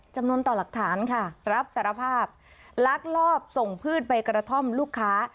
จำนวนต่อหลักฐานค่ะรับสารภาพลักลอบส่งพืชใบกระท่อมลูกค้า